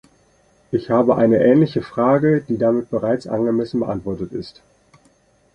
Ich habe eine ähnliche Frage, die damit bereits angemessen beantwortet ist.